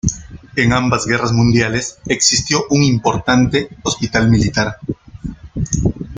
En ambas guerras mundiales existió un importante hospital militar.